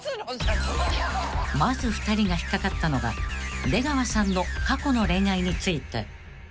［まず２人が引っ掛かったのが出川さんの過去の恋愛について］